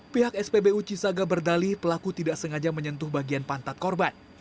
pihak spbu cisaga berdali pelaku tidak sengaja menyentuh bagian pantat korban